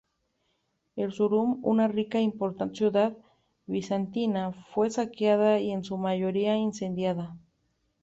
Erzurum, una rica e importante ciudad bizantina, fue saqueada y en su mayoría incendiada.